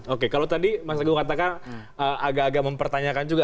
oke kalau tadi mas agung katakan agak agak mempertanyakan juga